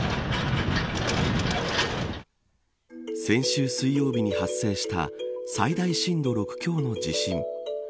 先週水曜日に発生した最大震度６強の地震。